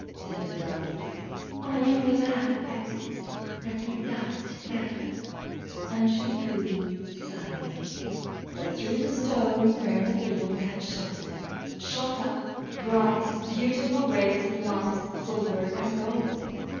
said the Dove. "I am glad at least that they died together," and she cooed sadly. But through the Stone wherein the beams had sheltered, shot up bright, beautiful rays of light, silver and gold.